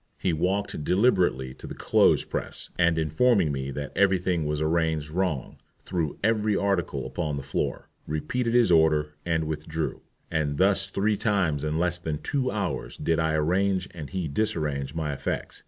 He walked deliberately to the clothes press, and, informing me that every thing was arranged wrong, threw every article upon the floor, repeated his order, and withdrew. And thus three times in less than two hours did I arrange and he disarrange my effects.